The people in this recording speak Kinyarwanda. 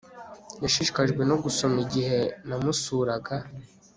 Yashishikajwe no gusoma igihe namusuraga